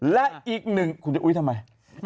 และอีกหนึ่งคุณจะอุ๊ยทำไม